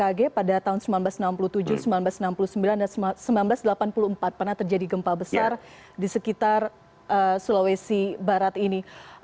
bmkg pada tahun seribu sembilan ratus enam puluh tujuh seribu sembilan ratus enam puluh sembilan dan seribu sembilan ratus delapan puluh empat pernah terjadi gempa besar di sekitar sulawesi barat ini